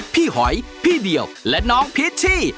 หอยพี่เดียวและน้องพิชชี่